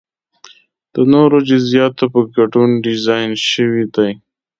د نورو جزئیاتو په ګډون ډیزاین شوی دی.